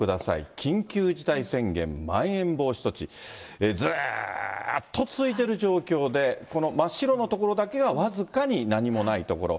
緊急事態宣言、まん延防止措置、ずっと続いてる状況で、この真っ白のところだけが僅かに何もない所。